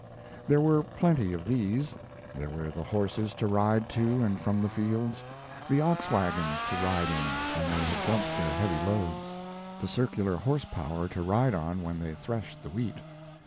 There were plenty of these: there were the horses to ride to and from the fields; the ox wagons to ride in when they had dumped their heavy loads; the circular horsepower to ride on when they threshed the wheat.